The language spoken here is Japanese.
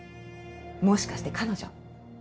もしかして彼女？